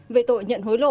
về tội nhận hối lộ